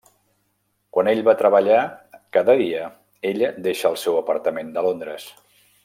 Quan ell va a treballar cada dia, ella deixa el seu apartament de Londres.